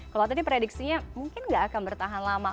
kalau tadi prediksinya mungkin nggak akan bertahan lama